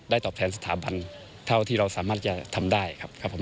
ได้ตอบแทนสถาบันเท่าที่เราสามารถจะทำได้ครับ